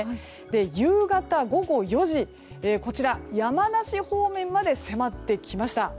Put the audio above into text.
夕方午後４時山梨方面まで迫ってきました。